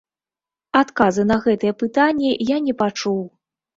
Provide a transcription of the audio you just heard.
Адказы на гэтыя пытанні я не пачуў.